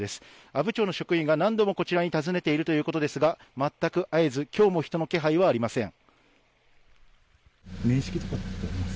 阿武町の職員が何度もこちらに訪ねているということですが全く会えず今日も人の気配はありません。